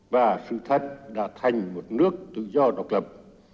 và sự thật đã thành một nước tự do độc lập